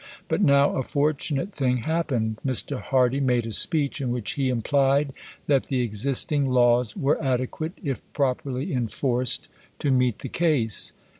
But now a fortunate thing happened. Mr. Hardy made a speech in which he implied that the existing laws were adequate, if properly enforced, to meet the case.